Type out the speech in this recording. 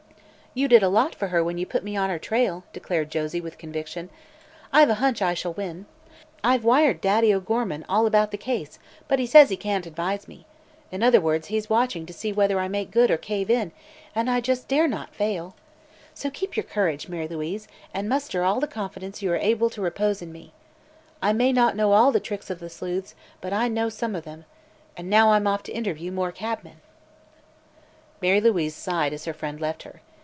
"You did a lot for her when you put me on her trail," declared Josie, with conviction. "I've a hunch I shall win. I've wired Daddy O'Gorman all about the case, but he says he can't advise me. In other words, he's watching to see whether I make good or cave in, and I just dare not fail. So keep your courage, Mary Louise, and muster all the confidence you are able to repose in me. I may not know all the tricks of the sleuths, but I know some of them. And now I'm off to interview more cabmen." Mary Louise sighed as her friend left her.